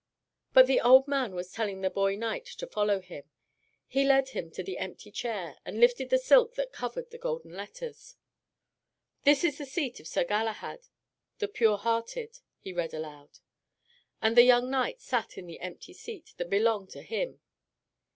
But the old man was telling the boy knight to follow him. He led him to the empty chair, and lifted the silk that covered the golden letters. "This is the seat of Sir Galahad, the Pure hearted," he read aloud. And the young knight sat in the empty seat that belonged to him.